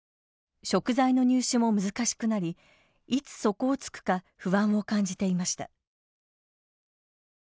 食材の入手も難しくなりいつ底をつくか不安を感じていました。